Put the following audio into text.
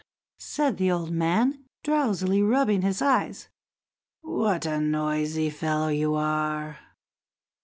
said the old man, drowsily rubbing his eyes, "what a noisy fellow you are!"